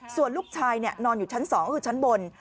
ส่วนลูกชายนอนอยู่ชั้น๒ก็คือชั้นบน